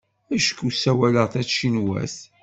Acku ssawaleɣ tacinwat.